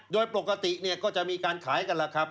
โดยปกติก็จะมีการขายกันละครับ